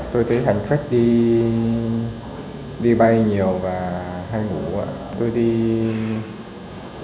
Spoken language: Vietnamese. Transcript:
tôi thấy hành khách đi bay nhiều và hay ngủ